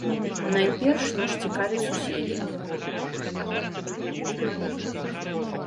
Найперш наш цікавяць суседзі.